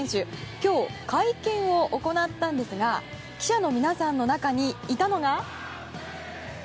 今日、会見を行ったんですが記者の皆さんの中にいたのが。